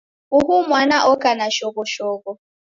Uhu mwana oka na shoghoshogho.